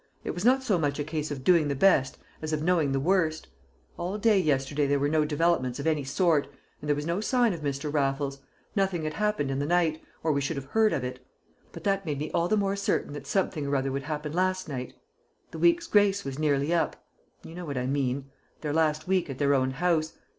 It was not so much a case of doing the best as of knowing the worst. All day yesterday there were no developments of any sort, and there was no sign of Mr. Raffles; nothing had happened in the night, or we should have heard of it; but that made me all the more certain that something or other would happen last night. The week's grace was nearly up you know what I mean their last week at their own house.